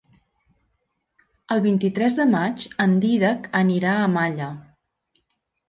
El vint-i-tres de maig en Dídac anirà a Malla.